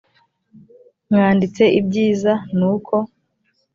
mwanditse ibyiza ni uko